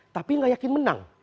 tapi gak yakin menang